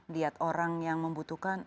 lihat orang yang membutuhkan